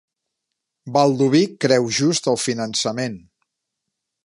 Baldoví creu just el finançament